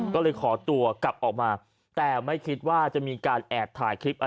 ก็เลยขอตัวกลับออกมาแต่ไม่คิดว่าจะมีการแอบถ่ายคลิป